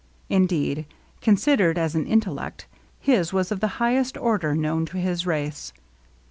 Indeed, considered as an intellect, his was of the highest order known to his race.